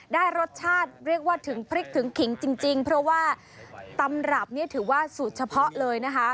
ได้รสชาติเรียกว่าถึงพริกถึงขิงจริงเพราะว่าตำรับเนี่ยถือว่าสูตรเฉพาะเลยนะคะ